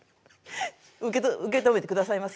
受け止めてくださいます？